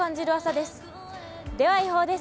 では予報です。